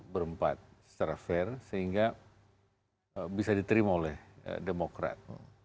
berempat secara fair sehingga bisa diterima oleh demokrat